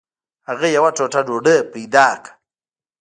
هغه یوه ټوټه ډوډۍ پیدا کړه.